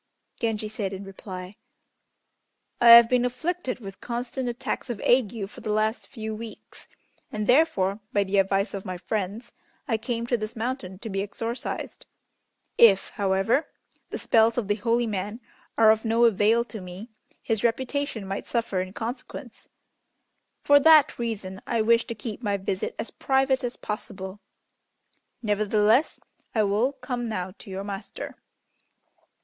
Genji said in reply, "I have been afflicted with constant attacks of ague for the last few weeks, and, therefore, by the advice of my friends, I came to this mountain to be exorcised. If, however, the spells of the holy man are of no avail to me, his reputation might suffer in consequence. For that reason I wish to keep my visit as private as possible, nevertheless I will come now to your master."